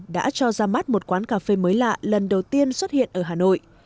đã cho ra mắt một quán cà phê mới lạ lần đầu tiên xuất hiện ở hà nội